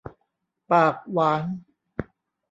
ปากหวาน